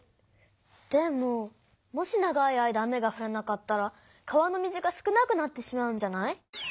でももし長い間雨がふらなかったら川の水が少なくなってしまうんじゃない？